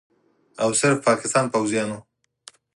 او صرف پاکستان پوځیانو